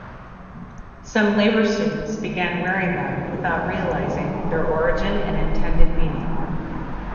Some Labour students began wearing them without realising their origin and intended meaning.